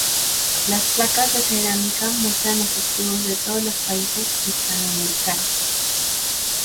Las placas de cerámica muestran los escudos de todos los países hispanoamericanos.